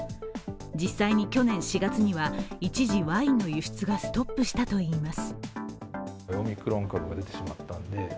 実際に去年４月には一時ワインの輸出がストップしたといいます。